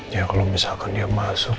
ya kalau misalkan dia masuk